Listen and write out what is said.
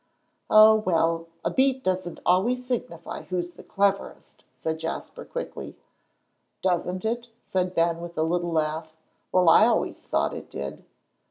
"Oh, well, a beat doesn't always signify who's the cleverest," said Jasper, quickly. "Doesn't it?" said Ben, with a little laugh. "Well, I always thought it did."